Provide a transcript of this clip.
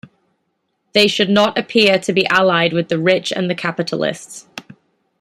They should not appear "to be allied with the rich and the capitalists".